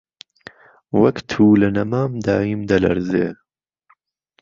وەک تووله نهمام داییم دهلهرزێ